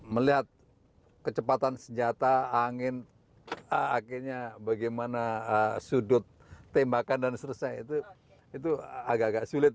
melihat kecepatan senjata angin akhirnya bagaimana sudut tembakan dan seterusnya itu agak agak sulit